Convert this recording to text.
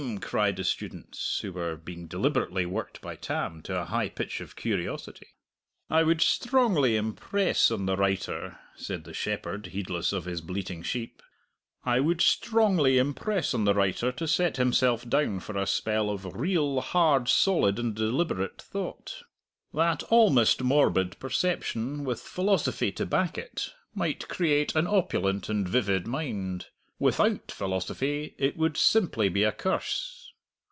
cried the students, who were being deliberately worked by Tam to a high pitch of curiosity. "I would strongly impress on the writer," said the shepherd, heedless of his bleating sheep "I would strongly impress on the writer to set himself down for a spell of real, hard, solid, and deliberate thought. That almost morbid perception, with philosophy to back it, might create an opulent and vivid mind. Without philosophy it would simply be a curse.